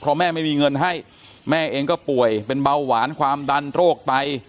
เพราะแม่ไม่มีเงินให้แม่เองก็ป่วยเป็นเบาหวานความดันโรคไต